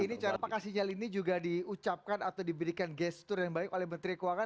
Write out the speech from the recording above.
ini cara pakai sinyal ini juga diucapkan atau diberikan gestur yang baik oleh menteri keuangan